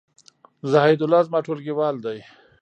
زاهیدالله زما ټولګیوال دی